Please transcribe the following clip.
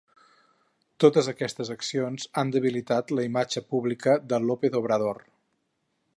Totes aquestes accions han debilitat la imatge pública de López Obrador.